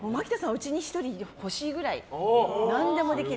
うちに１人欲しいくらい何でもできる。